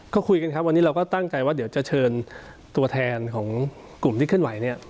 ก็คุยกันครับวันนี้เราก็ตั้งใจว่าเดี๋ยวจะเชิญตัวแทนของกลุ่มที่เคลื่อนไหวเนี่ย